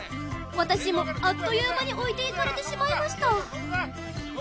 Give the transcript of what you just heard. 私もあっという間に置いていかれてしまいました。